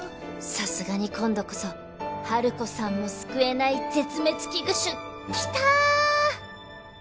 さすがに今度こそハルコさんも救えない絶滅危惧種きたー！